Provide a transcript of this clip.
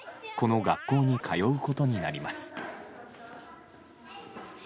この学校に通うことになります。